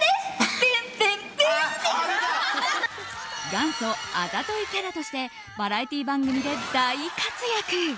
元祖あざといキャラとしてバラエティー番組で大活躍。